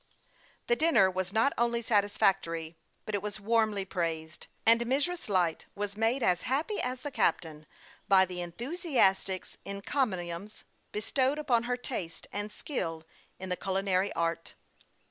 The dinner was not only satisfactory, but it was warmly praised ; and Mrs. Light was made as happy as the captain by the enthusiastic encomiums be stowed upon her taste and skill in the culinary art.